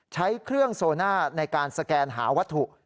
ใช้เครื่องโซน่าในการสแกนหาวัตถุ